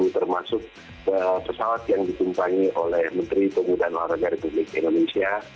termasuk pesawat yang ditumpangi oleh menteri pemudaan olahraga republik indonesia